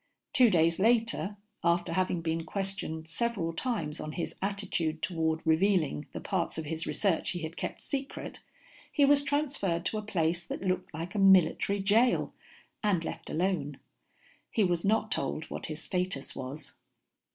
Two days later, after having been questioned several times on his attitude toward revealing the parts of his research he had kept secret, he was transferred to a place that looked like a military jail, and left alone. He was not told what his status was.